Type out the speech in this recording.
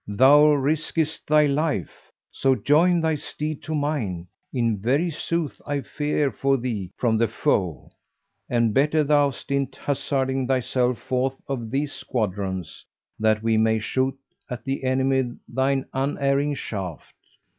thou riskest thy life, so join thy steed to mine; in very sooth I fear for thee from the foe; and better thou stint hazarding thyself forth of these squadrons, that we may shoot at the enemy thine unerring shaft."